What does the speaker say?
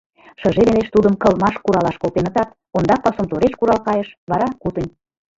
Шыже велеш тудым кылмаш куралаш колтенытат, ондак пасум тореш курал кайыш, вара — кутынь.